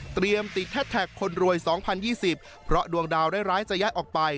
ติดแฮชแท็กคนรวย๒๐๒๐เพราะดวงดาวร้ายจะย้ายออกไป